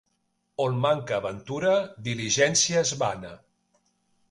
On manca ventura, diligència és vana.